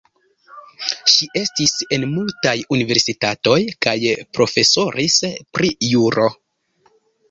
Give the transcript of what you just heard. Ŝi estis en multaj universitatoj kaj profesoris pri juro.